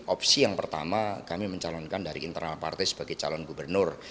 opsi yang pertama kami mencalonkan dari internal partai sebagai calon gubernur